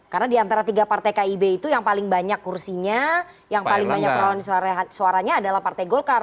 karena diantara tiga partai kib itu yang paling banyak kursinya yang paling banyak perlawanan suaranya adalah partai golkar